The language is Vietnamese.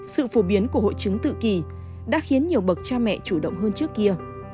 sự phổ biến của hội chứng tự kỷ đã khiến nhiều bậc cha mẹ chủ động hơn trước kia